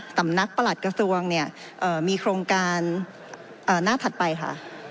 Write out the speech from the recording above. สำนักประหลักกระทรวงเนี่ยเอ่อมีโครงการเอ่อหน้าถัดไปค่ะ